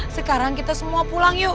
sekarang kita semua pulang yuk